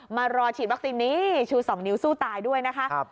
มารอฉีดวัคซีนนี้ชู๒นิ้วสู้ตายด้วยนะคะ